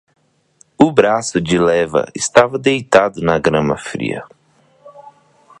O braço de leva estava deitado na grama fria.